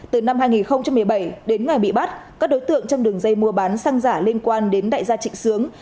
từ năm hai nghìn một mươi bảy đến ngày bị bắt các đối tượng trong đường dây mua bán xăng giả liên quan đến đại gia trịnh sướng